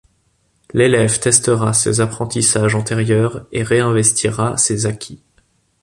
L’élève testera ses apprentissages antérieurs et ré-investira ses acquis.